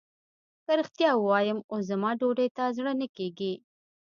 که رښتيا ووايم اوس زما ډوډۍ ته زړه نه کېږي.